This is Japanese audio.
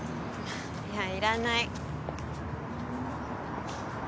いやいらない